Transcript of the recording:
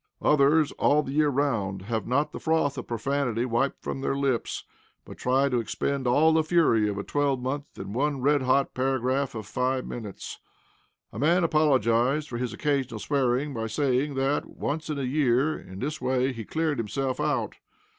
Others, all the year round, have not the froth of profanity wiped from their lips, but try to expend all the fury of a twelvemonth in one red hot paragraph of five minutes. A man apologized for his occasional swearing by saying that, once in a year, in this way he cleared himself out.